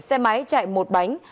xe máy chạy một bánh